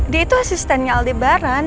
dia tuh asistennya aldebaran